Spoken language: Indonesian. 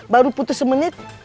baru putus semenit